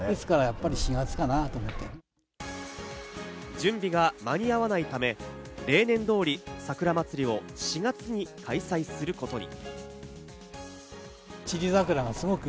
準備が間に合わないため、例年通り、桜まつりを４月に開催することに。